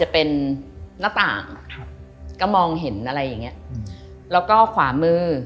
แล้วก็ขวามือ